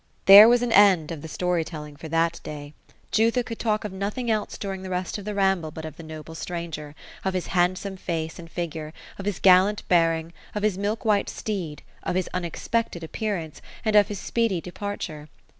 There was an end of the story telling for that day. Jutha could talk of nothing else during the rest of the ramble, but of the noble stranger, of his handsome face and figure, of his gallant bearing, of his milk white steed, of his unexpected appearance, and of his speedy departure.